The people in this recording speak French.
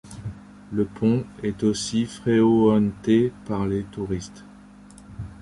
Le pont est aussi fréauenté par les touristes.